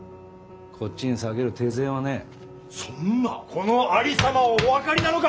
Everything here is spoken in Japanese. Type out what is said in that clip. このありさまをお分かりなのか！